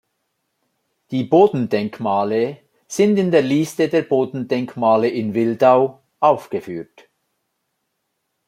Die Bodendenkmale sind in der Liste der Bodendenkmale in Wildau aufgeführt.